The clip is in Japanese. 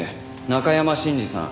中山信二さん。